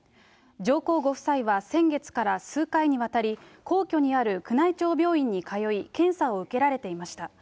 上皇ご夫妻は先月から数回にわたり、皇居にある宮内庁病院に通い検査を受けられていました。